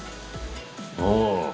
うん。